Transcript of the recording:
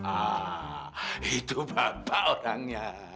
ah itu bapak orangnya